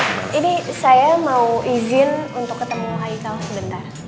ini saya mau izin untuk ketemu haikal sebentar